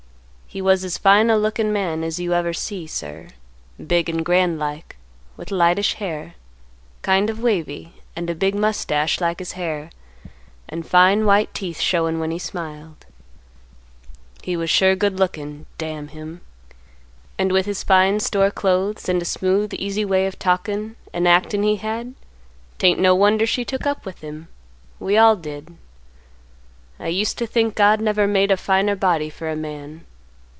He was as fine a lookin' man as you ever see, sir; big and grand like, with lightish hair, kind, of wavy, and a big mustache like his hair, and fine white teeth showing when he smiled. He was sure good lookin', damn him! and with his fine store clothes and a smooth easy way of talkin' and actin' he had, 'tain't no wonder she took up with him. We all did. I used to think God never made a finer body for a man.